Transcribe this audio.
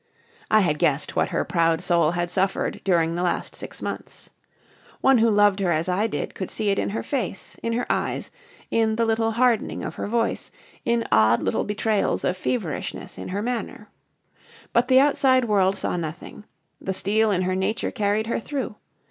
I had guessed what her proud soul had suffered during the last six months. One who loved her as I did could see it in her face, in her eyes, in the little hardening of her voice, in odd little betrayals of feverishness in her manner. But the outside world saw nothing. The steel in her nature carried her through.